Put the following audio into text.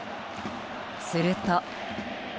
すると。